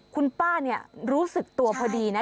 คุณป้ารู้สึกตัวพอดีนะ